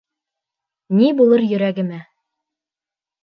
Ни булыр йөрәгемә.